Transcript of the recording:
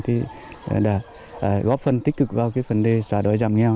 thì đã góp phần tích cực vào cái vấn đề giả đổi giảm nghèo